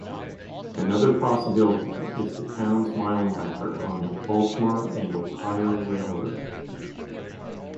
Another possibility is the town's mile marker on the Baltimore and Ohio Railroad.